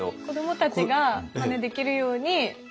子どもたちがマネできるように。